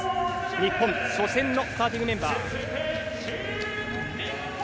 日本初戦のスターティングメンバー。